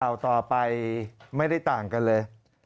ต่อไปไม่ได้ต่างกันเลย